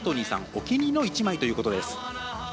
お気に入りの１枚ということです。